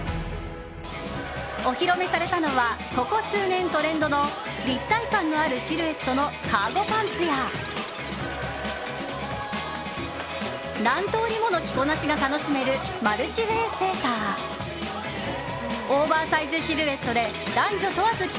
お披露目されたのはここ数年トレンドの立体感のあるシルエットのカーゴパンツや何通りもの着こなしが楽しめるマルチウェーセーターオーバーサイズシルエットで男女問わず着